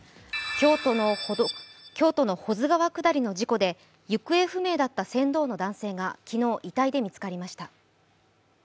京都の保津川下りの事故で行方不明だった船頭の男性が昨日、遺体で見つかりました。